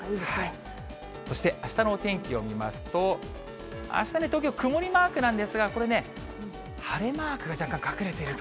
そしてあしたのお天気を見ますと、あしたね、東京、曇りマークなんですが、これね、晴れマークが若干隠れていると。